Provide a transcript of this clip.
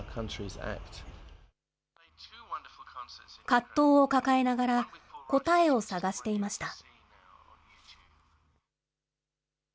葛藤を抱えながら、答えを探していました。